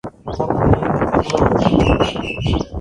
تم نيد ڪر لو ۔